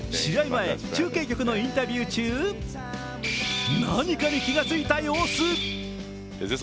前、中継局のインタビュー中、何かに気がついた様子。